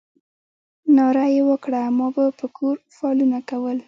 ناره یې وکړه ما به په کور فالونه کول.